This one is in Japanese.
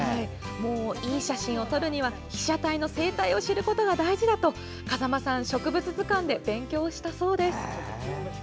いい写真を撮るには被写体の生態を知ることが大事だと、風間さん植物図鑑で勉強したそうです。